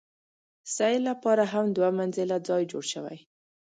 سعې لپاره هم دوه منزله ځای جوړ شوی.